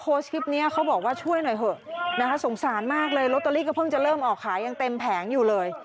คลิปนี้เขาบอกว่าช่วยหน่อยเถอะนะคะสงสารมากเลยลอตเตอรี่ก็เพิ่งจะเริ่มออกขายยังเต็มแผงอยู่เลย